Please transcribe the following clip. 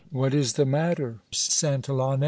What is the matter, Santillane